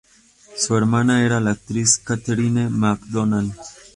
Su hermana era la actriz Katherine MacDonald.